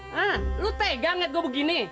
hah lo tegangin gue begini